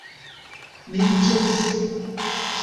Ni ĵus...